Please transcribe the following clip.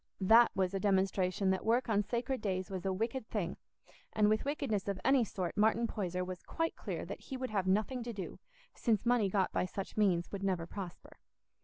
That was a demonstration that work on sacred days was a wicked thing; and with wickedness of any sort Martin Poyser was quite clear that he would have nothing to do, since money got by such means would never prosper.